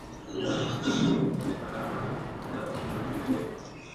Durante su retiro vivió en North Hollywood, California.